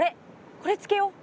これつけよう。